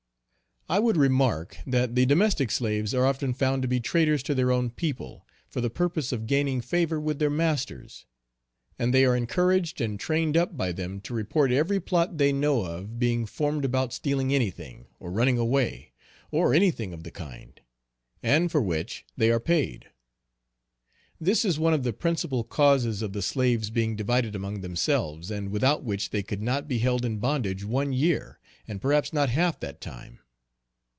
I would remark that the domestic slaves are often found to be traitors to their own people, for the purpose of gaining favor with their masters; and they are encouraged and trained up by them to report every plot they know of being formed about stealing any thing, or running away, or any thing of the kind; and for which they are paid. This is one of the principal causes of the slaves being divided among themselves, and without which they could not be held in bondage one year, and perhaps not half that time.